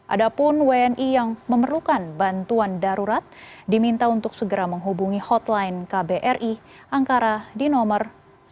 ada pun wni yang memerlukan bantuan darurat diminta untuk segera menghubungi hotline kbri ankara di nomor sembilan puluh ribu lima ratus tiga puluh dua satu ratus tiga puluh lima dua ribu dua ratus sembilan puluh delapan